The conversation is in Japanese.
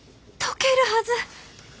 解けるはず。